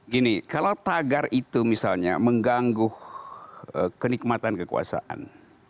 gini kalau tagar itu misalnya mengganggu kenikmatan kekuasaan